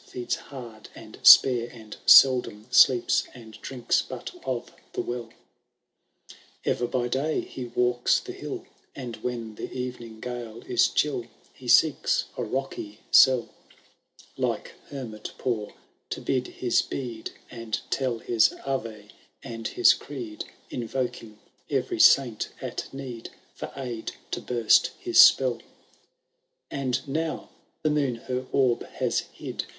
Feeds haid and spare, and seldom sleeps, And drinks but of the well ; £yer by day he walks the lull. And when the eyening gale is chill. He seeks a rocky cell. Like hermit poor to bid his bead. And tell his Aye and bis Creed, Inyoking every saint at need. For aid to burst his spelL V. And now the moon her orb has hid.